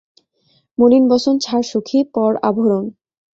মলিন বসন ছাড় সখি, পর আভরণ।